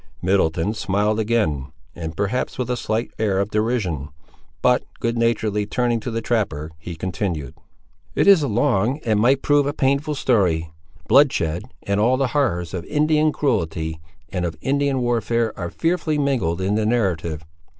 Middleton smiled again, and perhaps with a slight air of derision; but, good naturedly turning to the trapper, he continued— "It is a long, and might prove a painful story. Bloodshed and all the horrors of Indian cruelty and of Indian warfare are fearfully mingled in the narrative."